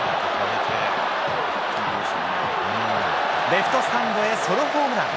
レフトスタンドへ、ソロホームラン。